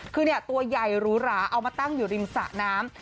คือตัวใหญ่หรูหราเอามาตั้งอยู่ริมสะน้ำ